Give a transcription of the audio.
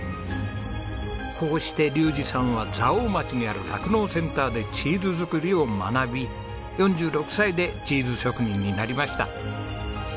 こうして竜士さんは蔵王町にある酪農センターでチーズ作りを学び４６歳でチーズ職人になりました。